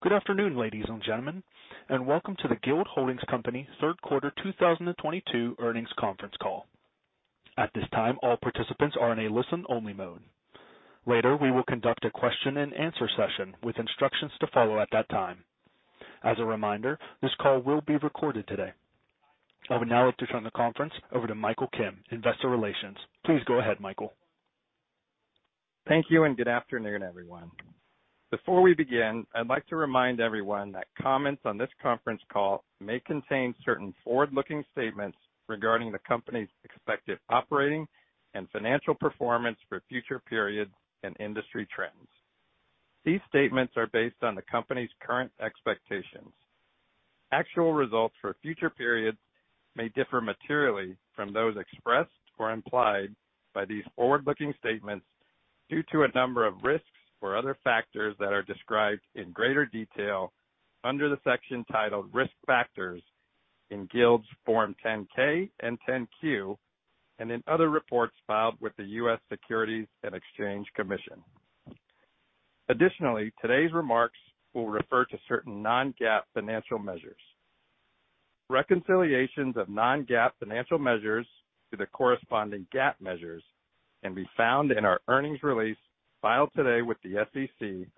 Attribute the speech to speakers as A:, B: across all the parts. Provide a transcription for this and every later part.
A: Good afternoon, ladies and gentlemen, and welcome to the Guild Holdings Company Q3 2022 earnings conference call. At this time, all participants are in a listen-only mode. Later, we will conduct a question-and-answer session with instructions to follow at that time. As a reminder, this call will be recorded today. I would now like to turn the conference over to Michael Kim, Investor Relations. Please go ahead, Michael.
B: Thank you and good afternoon, everyone. Before we begin, I'd like to remind everyone that comments on this conference call may contain certain forward-looking statements regarding the company's expected operating and financial performance for future periods and industry trends. These statements are based on the company's current expectations. Actual results for future periods may differ materially from those expressed or implied by these forward-looking statements due to a number of risks or other factors that are described in greater detail under the section titled Risk Factors in Guild's Form 10-K and 10-Q, and in other reports filed with the U.S. Securities and Exchange Commission. Additionally, today's remarks will refer to certain non-GAAP financial measures. Reconciliations of non-GAAP financial measures to the corresponding GAAP measures can be found in our earnings release filed today with the SEC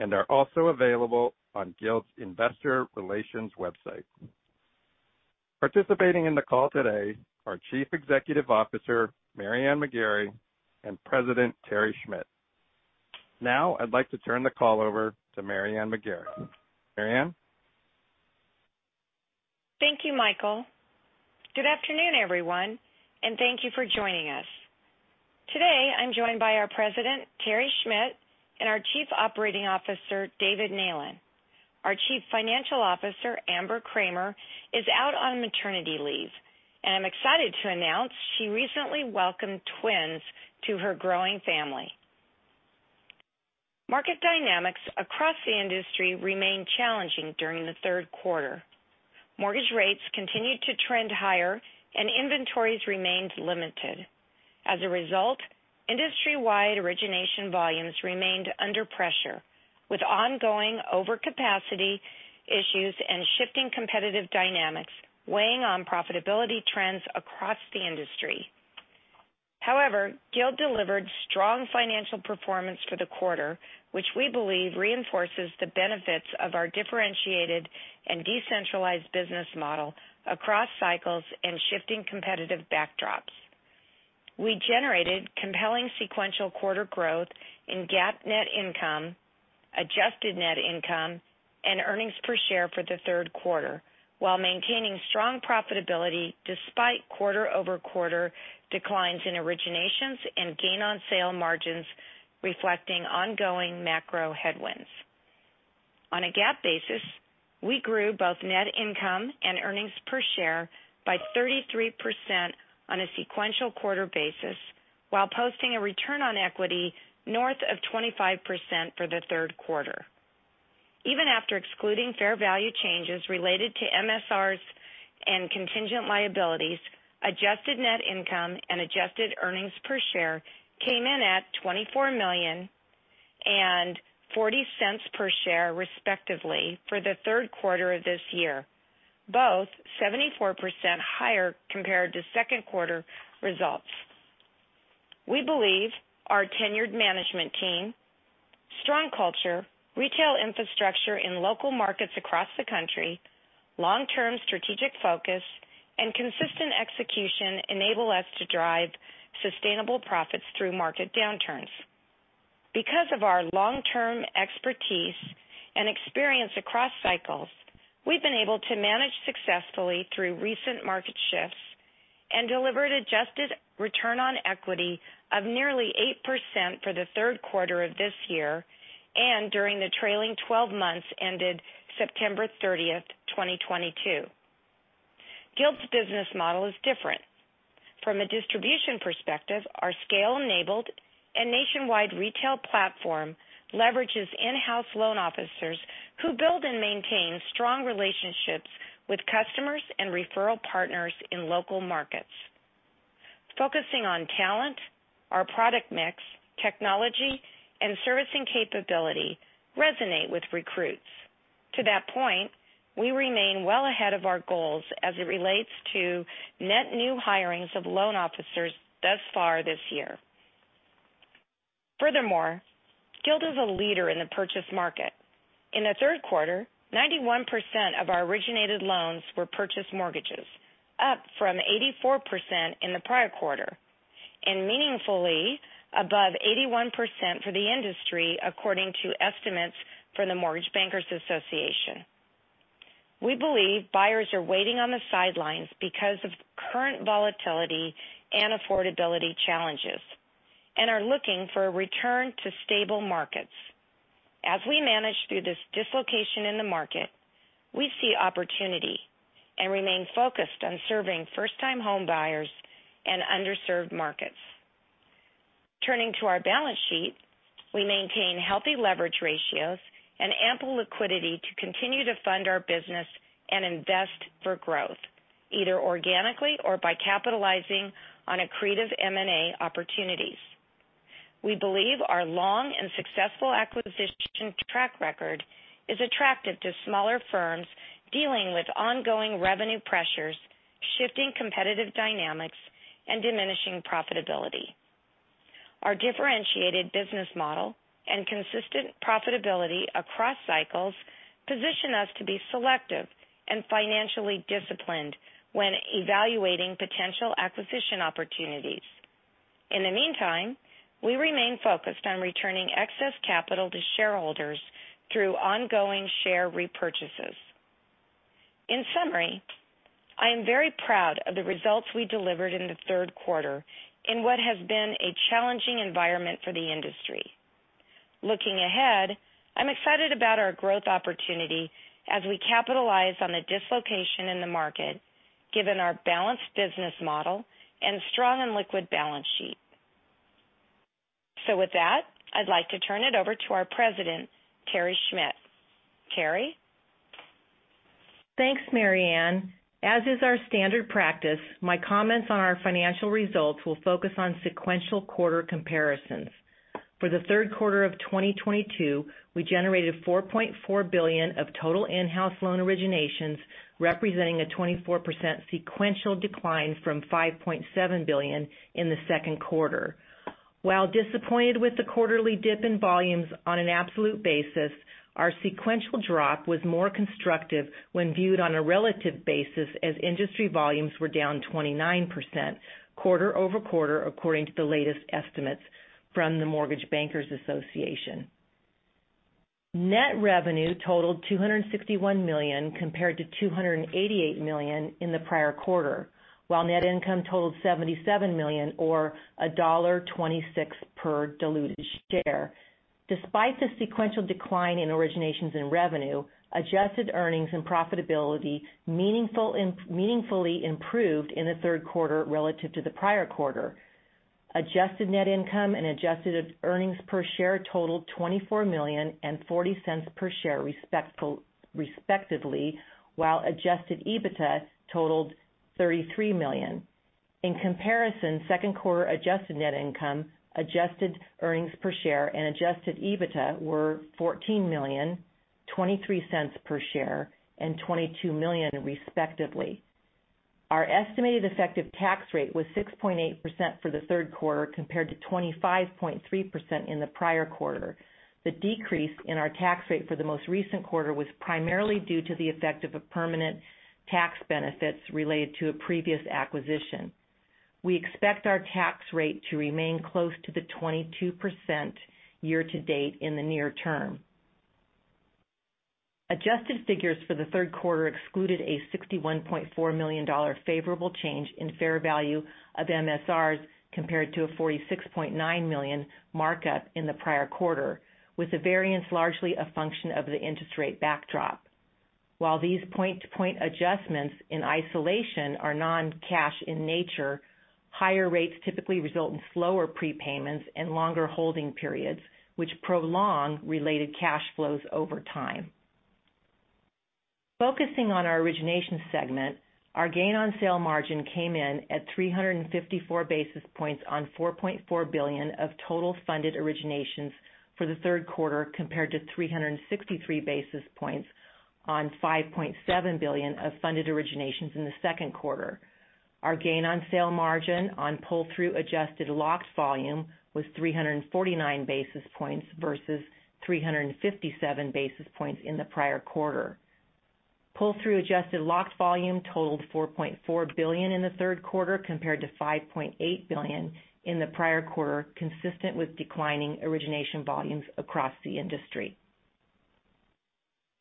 B: and are also available on Guild's investor relations website. Participating in the call today are Chief Executive Officer, Mary Ann McGarry, and President, Terry Schmidt. Now, I'd like to turn the call over to Mary Ann McGarry. Mary Ann?
C: Thank you, Michael. Good afternoon, everyone, and thank you for joining us. Today, I'm joined by our President, Terry Schmidt, and our Chief Operating Officer, David Neylan. Our Chief Financial Officer, Amber Kramer, is out on maternity leave, and I'm excited to announce she recently welcomed twins to her growing family. Market dynamics across the industry remained challenging during the Q3. Mortgage rates continued to trend higher and inventories remained limited. As a result, industry-wide origination volumes remained under pressure, with ongoing overcapacity issues and shifting competitive dynamics weighing on profitability trends across the industry. However, Guild delivered strong financial performance for the quarter, which we believe reinforces the benefits of our differentiated and decentralized business model across cycles and shifting competitive backdrops. We generated compelling sequential quarter growth in GAAP net income, adjusted net income, and earnings per share for the Q3, while maintaining strong profitability despite quarter-over-quarter declines in originations and gain on sale margins reflecting ongoing macro headwinds. On a GAAP basis, we grew both net income and earnings per share by 33% on a sequential quarter basis while posting a return on equity north of 25% for the Q3. Even after excluding fair value changes related to MSRs and contingent liabilities, adjusted net income and adjusted earnings per share came in at $24 million and $0.40 per share, respectively, for the Q3 of this year, both 74% higher compared to Q2 results. We believe our tenured management team, strong culture, retail infrastructure in local markets across the country, long-term strategic focus, and consistent execution enable us to drive sustainable profits through market downturns. Because of our long-term expertise and experience across cycles, we've been able to manage successfully through recent market shifts and delivered Adjusted Return on Equity of nearly 8% for the Q3 of this year and during the trailing 12 months ended September 30, 2022. Guild's business model is different. From a distribution perspective, our scale-enabled and nationwide retail platform leverages in-house loan officers who build and maintain strong relationships with customers and referral partners in local markets. Focusing on talent, our product mix, technology, and servicing capability resonate with recruits. To that point, we remain well ahead of our goals as it relates to net new hirings of loan officers thus far this year. Furthermore, Guild is a leader in the purchase market. In the Q3, 91% of our originated loans were purchase mortgages, up from 84% in the prior quarter, and meaningfully above 81% for the industry, according to estimates from the Mortgage Bankers Association. We believe buyers are waiting on the sidelines because of current volatility and affordability challenges and are looking for a return to stable markets. As we manage through this dislocation in the market, we see opportunity and remain focused on serving first-time home buyers and underserved markets. Turning to our balance sheet, we maintain healthy leverage ratios and ample liquidity to continue to fund our business and invest for growth, either organically or by capitalizing on accretive M&A opportunities. We believe our long and successful acquisition track record is attractive to smaller firms dealing with ongoing revenue pressures, shifting competitive dynamics and diminishing profitability. Our differentiated business model and consistent profitability across cycles position us to be selective and financially disciplined when evaluating potential acquisition opportunities. In the meantime, we remain focused on returning excess capital to shareholders through ongoing share repurchases. In summary, I am very proud of the results we delivered in the Q3 in what has been a challenging environment for the industry. Looking ahead, I'm excited about our growth opportunity as we capitalize on the dislocation in the market given our balanced business model and strong and liquid balance sheet. With that, I'd like to turn it over to our President, Terry Schmidt. Terry?
D: Thanks, Mary Ann. As is our standard practice, my comments on our financial results will focus on sequential quarter comparisons. For the Q3 of 2022, we generated $4.4 billion of total in-house loan originations, representing a 24% sequential decline from $5.7 billion in the Q2. While disappointed with the quarterly dip in volumes on an absolute basis, our sequential drop was more constructive when viewed on a relative basis as industry volumes were down 29% quarter over quarter, according to the latest estimates from the Mortgage Bankers Association. Net revenue totaled $261 million compared to $288 million in the prior quarter, while net income totaled $77 million or $1.26 per diluted share. Despite the sequential decline in originations and revenue, adjusted earnings and profitability meaningfully improved in the Q3 relative to the prior quarter. Adjusted net income and adjusted earnings per share totaled $24 million and $0.40 per share respectively, while adjusted EBITDA totaled $33 million. In comparison, Q2 adjusted net income, adjusted earnings per share and adjusted EBITDA were $14 million, $0.23 per share and $22 million, respectively. Our estimated effective tax rate was 6.8% for the Q3 compared to 25.3% in the prior quarter. The decrease in our tax rate for the most recent quarter was primarily due to the effect of a permanent tax benefits related to a previous acquisition. We expect our tax rate to remain close to the 22% year-to-date in the near term. Adjusted figures for the Q3 excluded a $61.4 million favorable change in fair value of MSRs compared to a $46.9 million markup in the prior quarter, with the variance largely a function of the interest rate backdrop. While these point-to-point adjustments in isolation are non-cash in nature, higher rates typically result in slower prepayments and longer holding periods, which prolong related cash flows over time. Focusing on our origination segment, our gain on sale margin came in at 354 basis points on $4.4 billion of total funded originations for the Q3 compared to 363 basis points on $5.7 billion of funded originations in the Q2. Our gain on sale margin on pull-through adjusted locked volume was 349 basis points versus 357 basis points in the prior quarter. Pull-through adjusted locked volume totaled $4.4 billion in the Q3 compared to $5.8 billion in the prior quarter, consistent with declining origination volumes across the industry.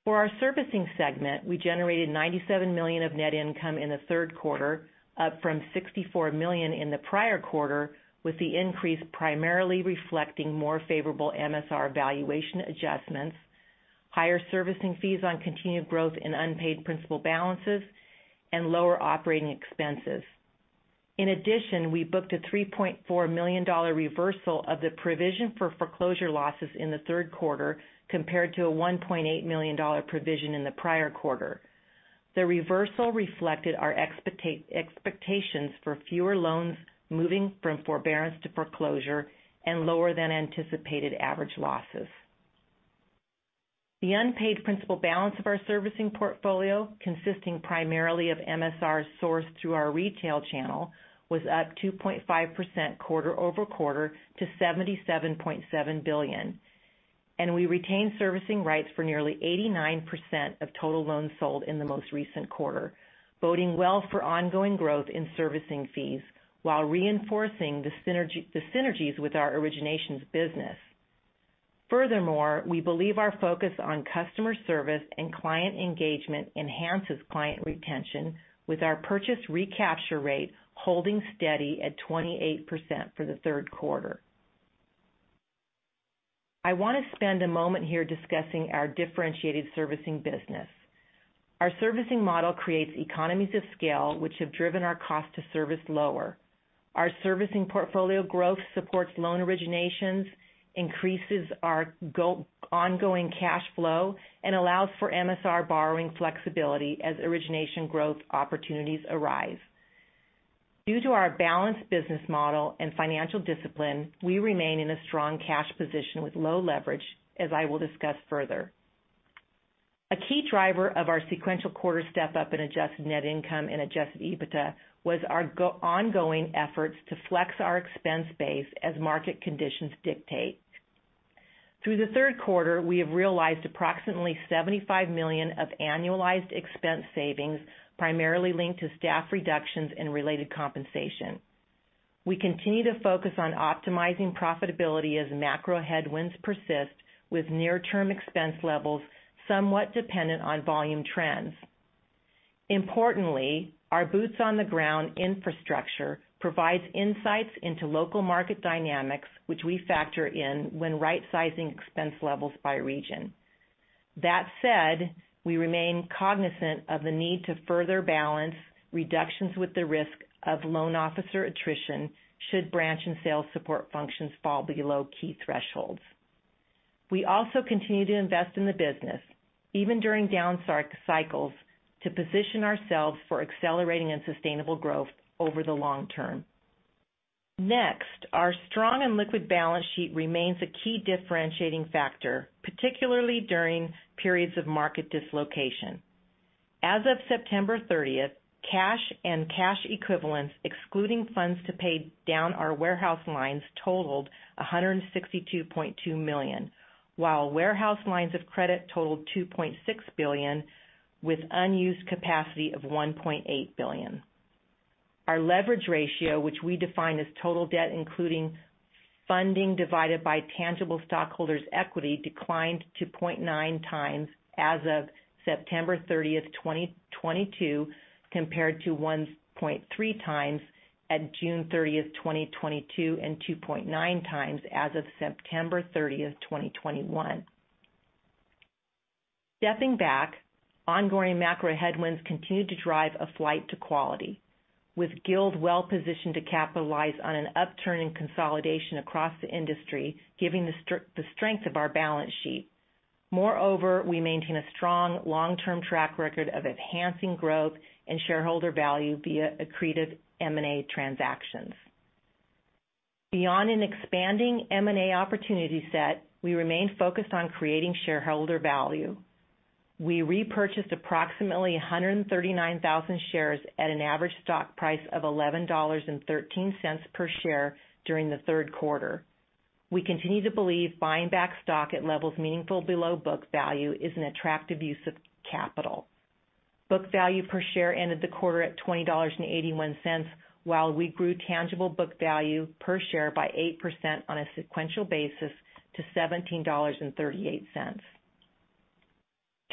D: For our servicing segment, we generated $97 million of net income in the Q3, up from $64 million in the prior quarter, with the increase primarily reflecting more favorable MSR valuation adjustments, higher servicing fees on continued growth in unpaid principal balances and lower operating expenses. In addition, we booked a $3.4 million reversal of the provision for foreclosure losses in the Q3 compared to a $1.8 million provision in the prior quarter. The reversal reflected our expectations for fewer loans moving from forbearance to foreclosure and lower than anticipated average losses. The unpaid principal balance of our servicing portfolio, consisting primarily of MSRs sourced through our retail channel, was up 2.5% quarter-over-quarter to $77.7 billion. We retained servicing rights for nearly 89% of total loans sold in the most recent quarter, boding well for ongoing growth in servicing fees while reinforcing the synergy, the synergies with our originations business. Furthermore, we believe our focus on customer service and client engagement enhances client retention, with our purchase recapture rate holding steady at 28% for the Q3. I want to spend a moment here discussing our differentiated servicing business. Our servicing model creates economies of scale which have driven our cost to service lower. Our servicing portfolio growth supports loan originations, increases our ongoing cash flow, and allows for MSR borrowing flexibility as origination growth opportunities arise. Due to our balanced business model and financial discipline, we remain in a strong cash position with low leverage, as I will discuss further. A key driver of our sequential quarter step-up in adjusted net income and adjusted EBITDA was our ongoing efforts to flex our expense base as market conditions dictate. Through the Q3, we have realized approximately $75 million of annualized expense savings, primarily linked to staff reductions and related compensation. We continue to focus on optimizing profitability as macro headwinds persist, with near-term expense levels somewhat dependent on volume trends. Importantly, our boots on the ground infrastructure provides insights into local market dynamics, which we factor in when rightsizing expense levels by region. That said, we remain cognizant of the need to further balance reductions with the risk of loan officer attrition should branch and sales support functions fall below key thresholds. We also continue to invest in the business, even during down stark cycles, to position ourselves for accelerating and sustainable growth over the long term. Next, our strong and liquid balance sheet remains a key differentiating factor, particularly during periods of market dislocation. As of September 30, cash and cash equivalents, excluding funds to pay down our warehouse lines totaled $162.2 million, while warehouse lines of credit totaled $2.6 billion, with unused capacity of $1.8 billion. Our leverage ratio, which we define as total debt, including funding divided by tangible stockholders' equity, declined to 0.9x as of September 30, 2022, compared to 1.3x at June 30, 2022, and 2.9x as of September 30, 2021. Stepping back, ongoing macro headwinds continued to drive a flight to quality, with Guild well positioned to capitalize on an upturn in consolidation across the industry, given the strength of our balance sheet. Moreover, we maintain a strong long-term track record of enhancing growth and shareholder value via accretive M&A transactions. Beyond an expanding M&A opportunity set, we remain focused on creating shareholder value. We repurchased approximately 139,000 shares at an average stock price of $11.13 per share during the Q3. We continue to believe buying back stock at levels meaningful below book value is an attractive use of capital. Book Value Per Share ended the quarter at $20.81, while we grew Tangible Book Value Per Share by 8% on a sequential basis to $17.38.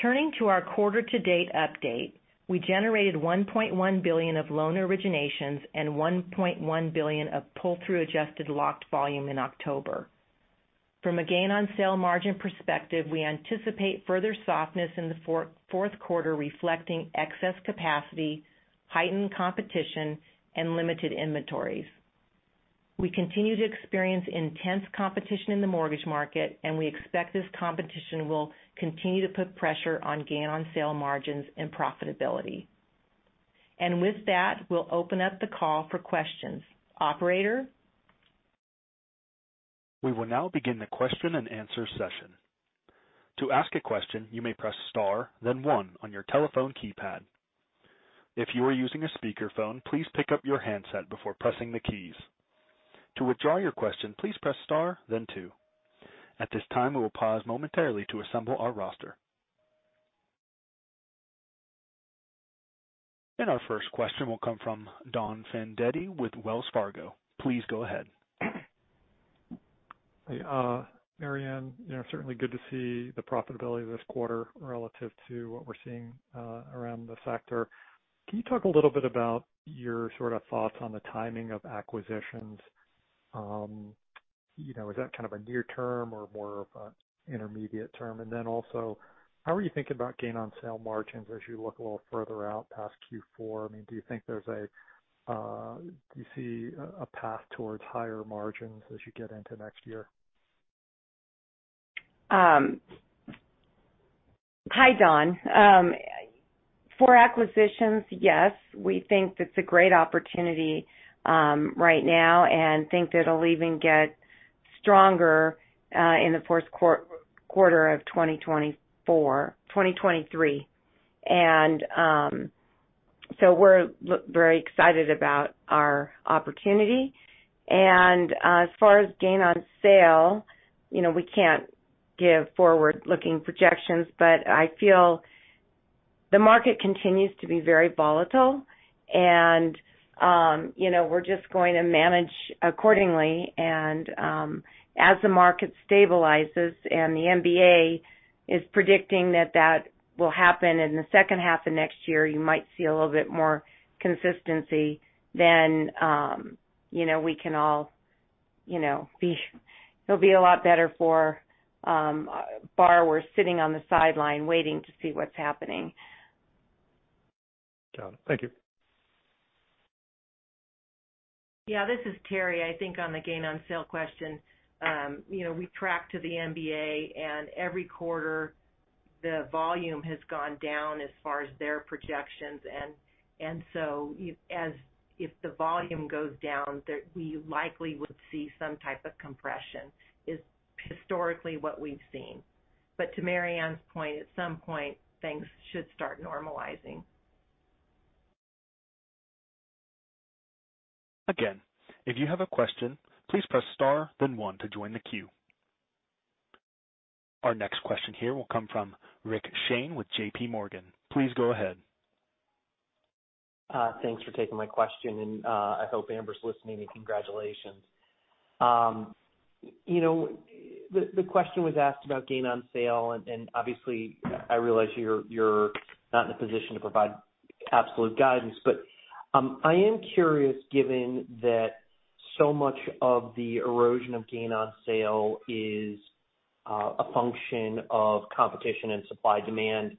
D: Turning to our quarter to date update, we generated $1.1 billion of loan originations and $1.1 billion of pull-through adjusted locked volume in October. From a gain on sale margin perspective, we anticipate further softness in the Q4, reflecting excess capacity, heightened competition, and limited inventories. We continue to experience intense competition in the mortgage market, and we expect this competition will continue to put pressure on gain on sale margins and profitability. With that, we'll open up the call for questions. Operator?
A: We will now begin the question and answer session. To ask a question, you may press star, then one on your telephone keypad. If you are using a speakerphone, please pick up your handset before pressing the keys. To withdraw your question, please press star then two. At this time, we will pause momentarily to assemble our roster. Our first question will come from Donald Fandetti with Wells Fargo. Please go ahead.
E: Hey, Mary Ann, you know, certainly good to see the profitability this quarter relative to what we're seeing around the sector. Can you talk a little bit about your sort of thoughts on the timing of acquisitions? You know, is that kind of a near term or more of a intermediate term? How are you thinking about gain on sale margins as you look a little further out past Q4? I mean, do you see a path towards higher margins as you get into next year?
C: Hi, Don. For acquisitions, yes, we think that's a great opportunity right now and think that it'll even get stronger in the Q4 of 2023. We're very excited about our opportunity. As far as gain on sale, you know, we can't give forward-looking projections, but I feel the market continues to be very volatile and, you know, we're just going to manage accordingly. As the market stabilizes and the MBA is predicting that that will happen in the second half of next year, you might see a little bit more consistency then, you know, we can all, you know, be. It'll be a lot better for borrowers sitting on the sideline waiting to see what's happening.
E: Got it. Thank you.
D: Yeah, this is Terry. I think on the gain on sale question, you know, we track to the MBA, and every quarter, the volume has gone down as far as their projections and so if the volume goes down, we likely would see some type of compression, is historically what we've seen. To Mary Ann's point, at some point, things should start normalizing.
A: Again, if you have a question, please press star then one to join the queue. Our next question here will come from Richard Shane with JPMorgan. Please go ahead.
F: Thanks for taking my question, and I hope Amber's listening, and congratulations. You know, the question was asked about gain on sale, and obviously I realize you're not in a position to provide absolute guidance. I am curious, given that so much of the erosion of gain on sale is a function of competition and supply demand,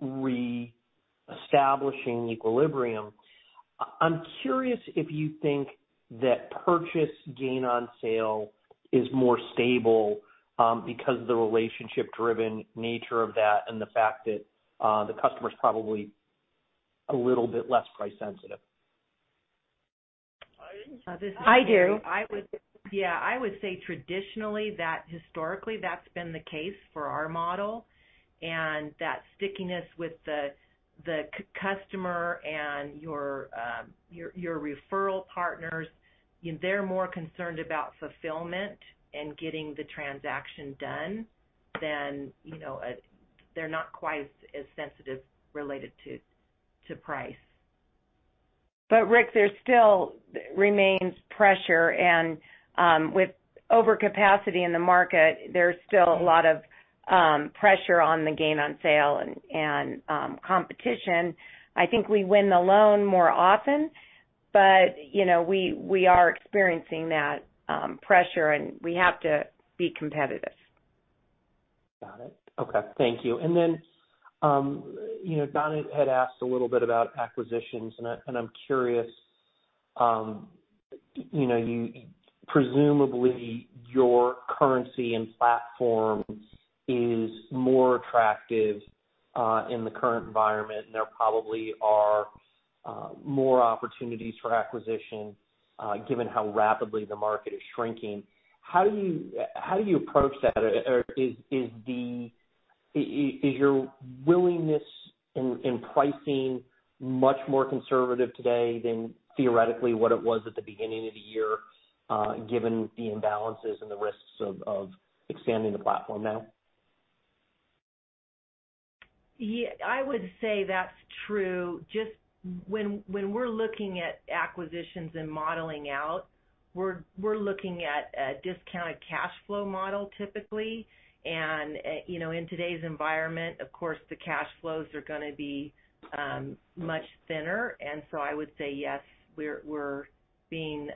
F: re-establishing equilibrium. I'm curious if you think that purchase gain on sale is more stable, because of the relationship-driven nature of that and the fact that the customer's probably a little bit less price-sensitive.
D: I do. This is Terry. Yeah, I would say traditionally that historically that's been the case for our model, and that stickiness with the customer and your referral partners, you know, they're more concerned about fulfillment and getting the transaction done than, you know, they're not quite as sensitive related to price.
C: Rick, there still remains pressure and with overcapacity in the market, there's still a lot of pressure on the gain on sale and competition. I think we win the loan more often, but you know, we are experiencing that pressure, and we have to be competitive.
F: Got it. Okay. Thank you. You know, Donald had asked a little bit about acquisitions, and I'm curious, you know, presumably your currency and platform is more attractive in the current environment, and there probably are more opportunities for acquisition given how rapidly the market is shrinking. How do you approach that? Or is your willingness in pricing much more conservative today than theoretically what it was at the beginning of the year given the imbalances and the risks of expanding the platform now?
C: I would say that's true. Just when we're looking at acquisitions and modeling out, we're looking at a Discounted Cash Flow Model, typically. You know, in today's environment, of course, the cash flows are gonna be much thinner. I would say yes, we're being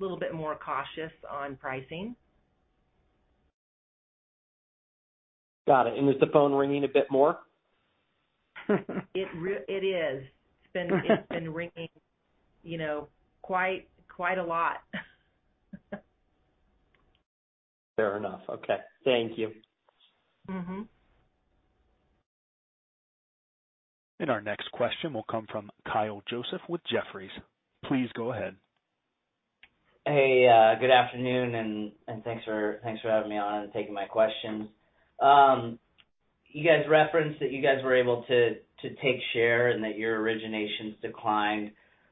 C: little bit more cautious on pricing.
F: Got it. Is the phone ringing a bit more?
C: It is. It's been ringing, you know, quite a lot.
F: Fair enough. Okay. Thank you.
C: Mm-hmm.
A: Our next question will come from Kyle Joseph with Jefferies. Please go ahead.
G: Hey, good afternoon and thanks for having me on and taking my questions. You guys referenced that you guys were able to take share and that your originations declined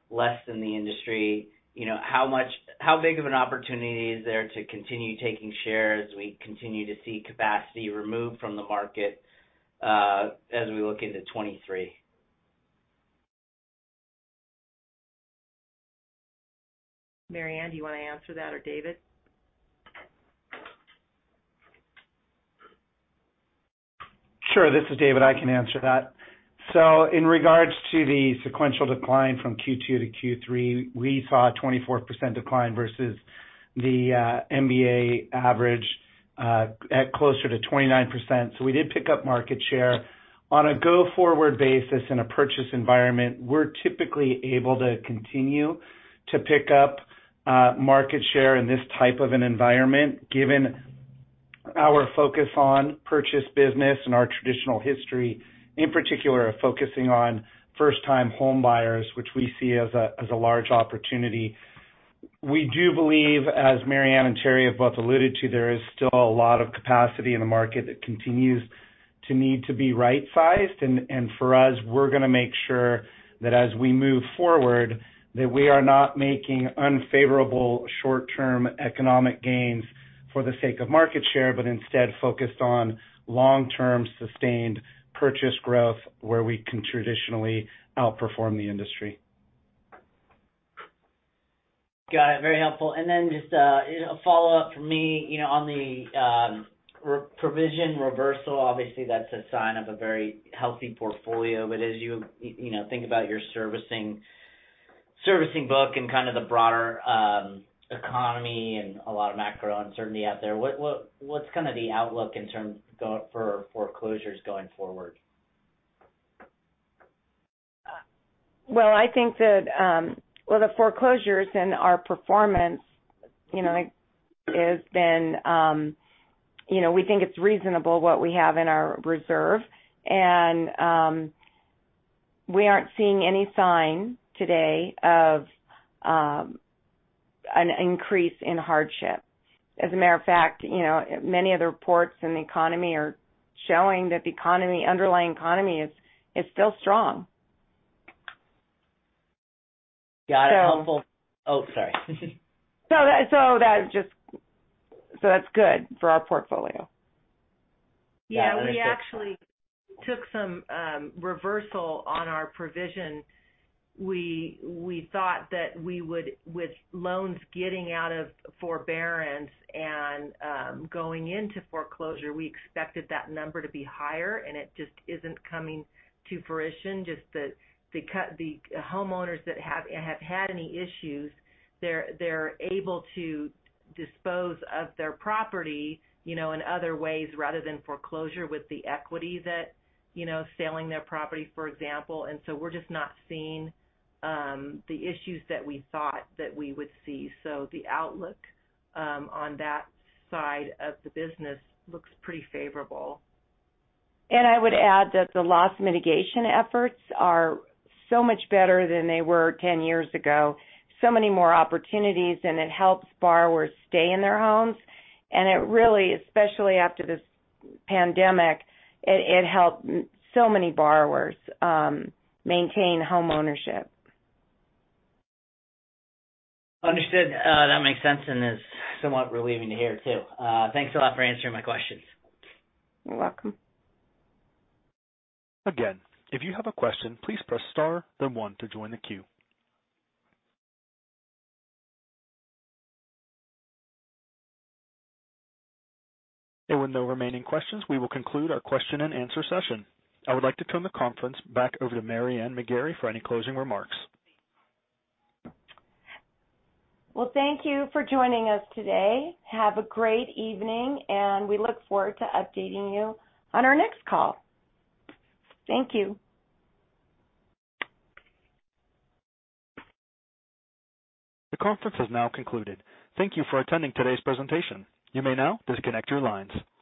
G: less than the industry. You know, how big of an opportunity is there to continue taking share as we continue to see capacity removed from the market, as we look into 2023?
D: Mary Ann, do you wanna answer that or David?
H: Sure. This is David. I can answer that. In regards to the sequential decline from Q2 to Q3, we saw a 24% decline versus the MBA average at closer to 29%. We did pick up market share. On a go-forward basis in a purchase environment, we're typically able to continue to pick up market share in this type of an environment, given our focus on purchase business and our traditional history, in particular, of focusing on first-time home buyers, which we see as a large opportunity. We do believe, as Mary Ann and Terry have both alluded to, there is still a lot of capacity in the market that continues to need to be right-sized. for us, we're gonna make sure that as we move forward, that we are not making unfavorable short-term economic gains for the sake of market share, but instead focused on long-term sustained purchase growth where we can traditionally outperform the industry.
G: Got it. Very helpful. Just a follow-up from me. You know, on the provision reversal, obviously that's a sign of a very healthy portfolio. As you know, think about your servicing book and kind of the broader economy and a lot of macro uncertainty out there, what's kinda the outlook in terms for foreclosures going forward?
C: Well, I think that, well, the foreclosures and our performance, you know, has been, you know, we think it's reasonable what we have in our reserve. We aren't seeing any sign today of, an increase in hardship. As a matter of fact, you know, many of the reports in the economy are showing that the economy, underlying economy is still strong.
G: Got it. Helpful. Oh, sorry.
C: That's good for our portfolio.
G: Yeah.
D: We actually took some reversal on our provision. We thought that with loans getting out of forbearance and going into foreclosure, we expected that number to be higher, and it just isn't coming to fruition. Just the homeowners that have had any issues, they're able to dispose of their property, you know, in other ways rather than foreclosure with the equity that, you know, selling their property, for example. We're just not seeing the issues that we thought that we would see. The outlook on that side of the business looks pretty favorable.
C: I would add that the loss mitigation efforts are so much better than they were 10 years ago. Many more opportunities, and it helps borrowers stay in their homes. It really, especially after this pandemic, helped so many borrowers maintain homeownership.
G: Understood. That makes sense and is somewhat relieving to hear too. Thanks a lot for answering my questions.
C: You're welcome.
A: Again, if you have a question, please press star then one to join the queue. There were no remaining questions. We will conclude our question and answer session. I would like to turn the conference back over to Mary Ann McGarry for any closing remarks.
C: Well, thank you for joining us today. Have a great evening, and we look forward to updating you on our next call. Thank you.
A: The conference has now concluded. Thank you for attending today's presentation. You may now disconnect your lines.